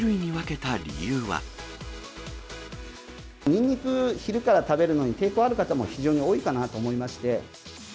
ニンニク、昼から食べるのに抵抗ある方も非常に多いかなと思いまして。